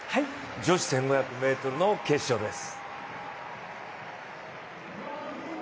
女子１５００ｍの決勝です。